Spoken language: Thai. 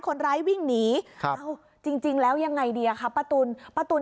คนร้ายวิ่งหนีครับเอ้าจริงจริงแล้วยังไงดีอ่ะคะป้าตุ๋นป้าตุ๋น